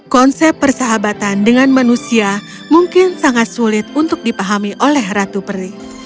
konsep persahabatan dengan manusia mungkin sangat sulit untuk dipahami oleh ratu peri